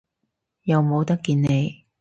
又冇得見你